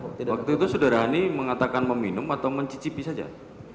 waktu itu saudara hani mengatakan meminum atau mencicipi saja